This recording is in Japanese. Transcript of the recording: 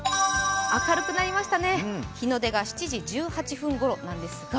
明るくなりましたね、日の出が７時１８分ごろです。